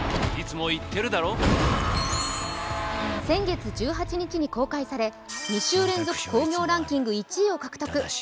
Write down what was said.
先月１８日に公開され、２週連続興行ランキング１位を獲得。